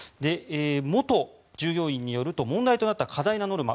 元従業員によると問題となった過大なノルマ